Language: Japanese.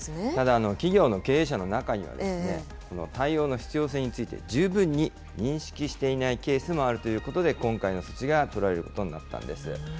ただ、企業の経営者の中には、対応の必要性について十分に認識していないケースもあるということで、今回の措置が取られることになったんです。